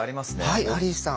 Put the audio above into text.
はいハリーさん。